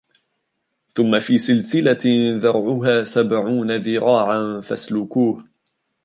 ثُمَّ فِي سِلْسِلَةٍ ذَرْعُهَا سَبْعُونَ ذِرَاعًا فَاسْلُكُوهُ